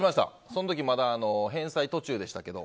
その時、まだ返済途中でしたけど。